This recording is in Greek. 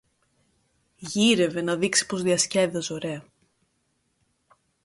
γύρευε να δείξει πως διασκέδαζε ωραία